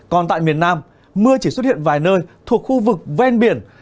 còn tại miền nam mưa chỉ xuất hiện vài nơi thuộc khu vực ven biển